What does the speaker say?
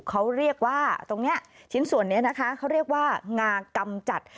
เขาเรียกว่าตรงนี้ชิ้นส่วนนี้นะคะเขาเรียกว่างากำจัด